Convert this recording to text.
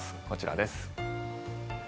こちらです。